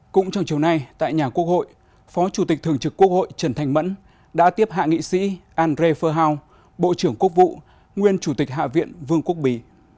cũng trong chiều nay tại nhà quốc hội phó chủ tịch thường trực quốc hội trần thanh mẫn đã tiếp hạ nghị sĩ andre furhau bộ trưởng quốc vụ nguyên chủ tịch hạ viện vương quốc bỉ